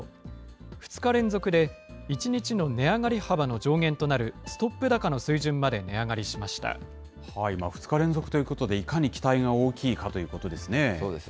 ２日連続で１日の値上がり幅の上限となるストップ高の水準まで値２日連続ということで、いかに期待が大きいかということですね。